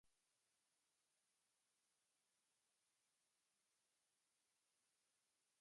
Lucas, Dorothy y Toto logran huir antes de que el castillo sea destruido.